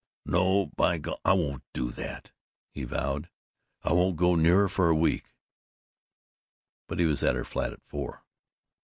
"No, by golly, I won't do that!" he vowed. "I won't go near her for a week!" But he was at her flat at four.